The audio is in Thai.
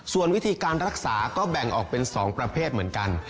ส่วนวิธีการรักษาก็แบ่งออกเป็น๒ประเภทเหมือนกัน